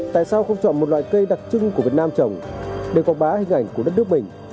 tại sao không chọn một loại cây đặc trưng của việt nam trồng để quảng bá hình ảnh của đất nước mình